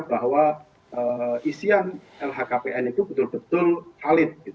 bahwa isian lhkpn itu betul betul valid